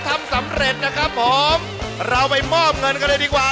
ทำสำเร็จนะครับผมเราไปมอบเงินกันเลยดีกว่า